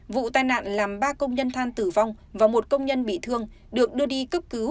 vụ tai nạn làm ba công nhân than tử vong và một công nhân bị thương được đưa đi cấp cứu